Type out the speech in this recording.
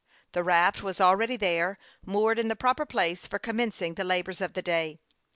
The raft was already there, moored in the proper place for commencing the labors of the day.